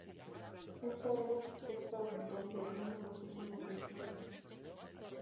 Esta era su sexta hospitalización en los últimos seis meses.